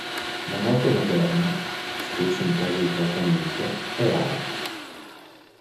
La morte materna, specie in caso di trattamento, è rara.